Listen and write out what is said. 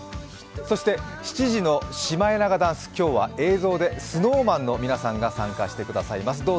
そして７時のシマエナガダンス、今日は映像でＳｎｏｗＭａｎの皆さんが参加してくださいます。